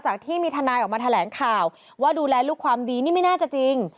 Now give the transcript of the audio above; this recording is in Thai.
ที่มีทนายออกมาแถลงข่าวว่าดูแลลูกความดีนี่ไม่น่าจะจริง